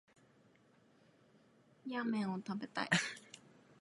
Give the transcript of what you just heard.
ラーメンを食べたい